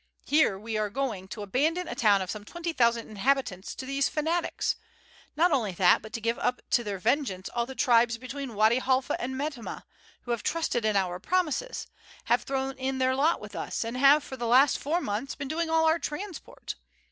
"Here we are going to abandon a town of some twenty thousand inhabitants to these fanatics. Not only that, but to give up to their vengeance all the tribes between Wady Halfa and Metemmeh who have trusted in our promises, have thrown in their lot with us, and have for the last four months been doing all our transport.